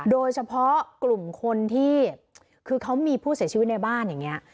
โดยเฉพาะกลุ่มคนที่คือเขามีผู้เสียชีวิตในบ้านอย่างนี้